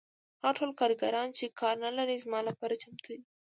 هغه ټول کارګران چې کار نلري زما لپاره چمتو دي